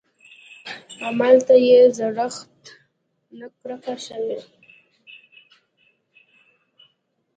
املته يې د زړښت نه کرکه شوې.